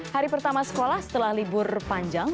hari pertama sekolah setelah libur panjang